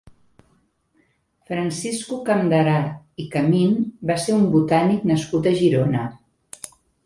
Francisco Campderá i Camin va ser un botànic nascut a Girona.